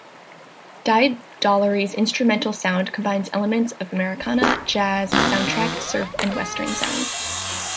Di Dollari's instrumental sound combines elements of Americana, jazz, soundtrack, surf, and western sounds.